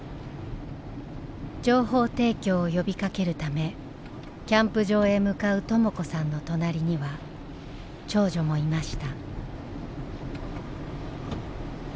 情報提供を呼びかけるためキャンプ場へ向かうとも子さんの隣には長女もいました。